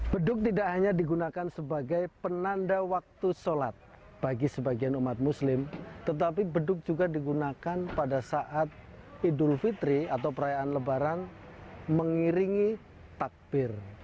beduk tidak hanya digunakan sebagai penanda waktu sholat bagi sebagian umat muslim tetapi beduk juga digunakan pada saat idul fitri atau perayaan lebaran mengiringi takbir